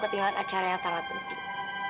ketinggalan acara yang sangat penting